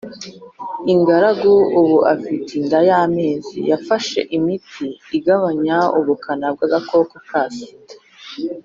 ingaragu ubu afite inda y amezi yafashe imiti igabanya ubukana bw agakoko ka sida